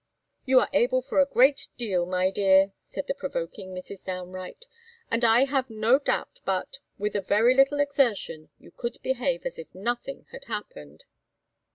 "You are able for a great deal, my dear!" said the provoking Mrs. Downe Wright; "and I have no doubt but, with a very little exertion, you could behave as if nothing had happened."